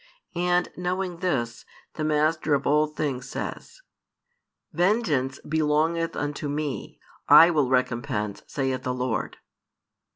And, knowing this, the Master of all things says: Vengeance belongeth unto Me; I will recompense, saith the Lord.